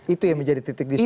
itu yang menjadi titik diskusi